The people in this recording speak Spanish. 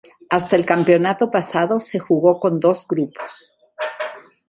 Hasta el campeonato pasado se jugó con dos grupos.